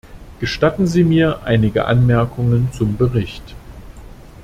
Gestatten Sie mir einige Anmerkungen zum Bericht.